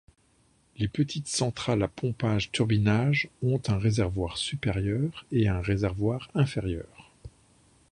Les petites centrales à pompage-turbinage ont un réservoir supérieur et un réservoir inférieur.